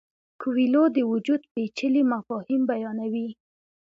کویلیو د وجود پیچلي مفاهیم بیانوي.